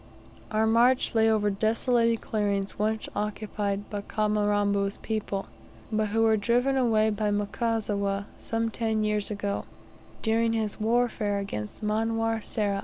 Our march lay over desolated clearings once occupied by Ka mirambo's people, but who were driven away by Mkasiwa some ten years ago, during his warfare against Manwa Sera.